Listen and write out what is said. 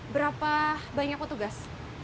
berapa banyak petugas